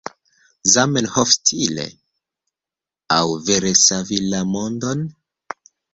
Zamenhof-stile? aŭ vere savi la mondon?